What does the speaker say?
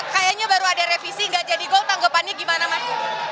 kayaknya baru ada revisi gak jadi gol tanggapannya gimana mas